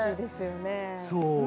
そう。